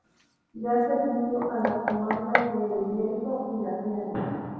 Da servicio a la comarcas de El Bierzo y Laciana.